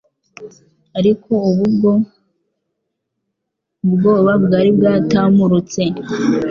ariko ubu bw o ubwoba bwari bwatamurutse,